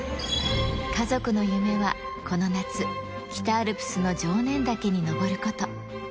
家族の夢はこの夏、北アルプスの常念岳に登ること。